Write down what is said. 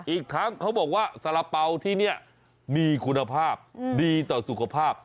อีกทั้งเขาบอกว่าสาระเป๋าที่นี่มีคุณภาพดีต่อสุขภาพ